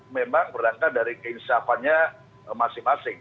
memang berdangkat dari keinsapannya masing masing